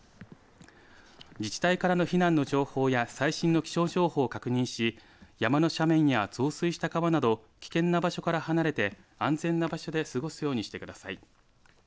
自治体からの避難の情報や最新の気象情報を確認し山の斜面や増水した川など危険な場所から離れて安全な場所で過ごすようにしてください。